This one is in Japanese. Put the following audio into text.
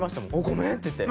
ごめんって言って。